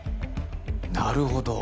なるほど。